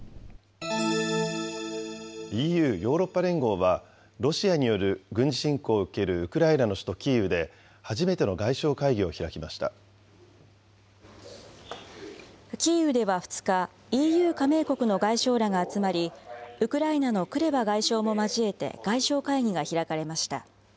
ＥＵ・ヨーロッパ連合は、ロシアによる軍事侵攻を受けるウクライナの首都キーウで初めてのキーウでは２日、ＥＵ加盟国の外相らが集まり、ウクライナのクレバ外相も交えて外相会議が開かれました。